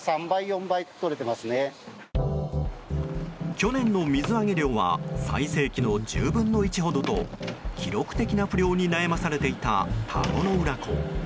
去年の水揚げ量は最盛期の１０分の１ほどと記録的な不漁に悩まされていた田子の浦港。